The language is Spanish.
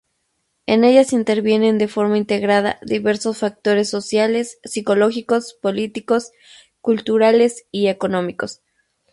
En ellas intervienen, de forma integrada, diversos factores sociales, psicológicos, políticos, culturales y económicos.